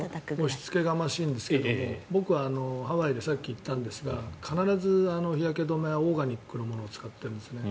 押しつけがましいんですが僕、ハワイでさっき言ったんですが必ず日焼け止めはオーガニックのものを使ってるんですね。